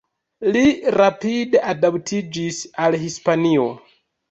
Li rapide adaptiĝis al Hispanio.